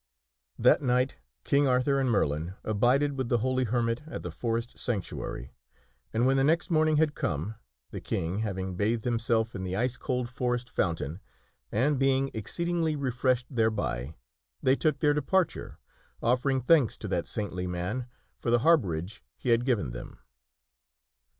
That night King Arthur and Merlin abided with the holy hermit at the forest sanctuary, and when the next morning had come (the King having bathed himself in the ice cold forest fountain, and being exceedingly re freshed thereby) they took their departure, offering thanks to that saintly man for the harborage he had given them.